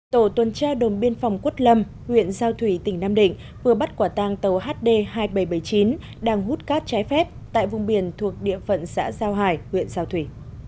tổ tuần tra đồn biên phòng quất lâm huyện giao thủy tỉnh nam định vừa bắt quả tang tàu hd hai nghìn bảy trăm bảy mươi chín đang hút cát trái phép tại vùng biển thuộc địa phận xã giao hải huyện giao thủy